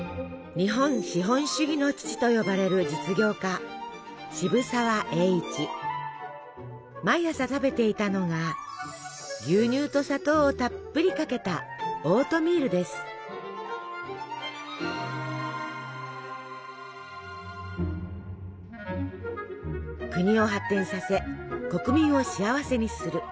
日本資本主義の父と呼ばれる実業家毎朝食べていたのが牛乳と砂糖をたっぷりかけた国を発展させ国民を幸せにする。